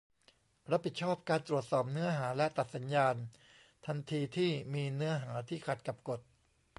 รับผิดชอบการตรวจสอบเนื้อหาและตัดสัญญาณทันทีที่มีเนื้อหาที่ขัดกับกฎ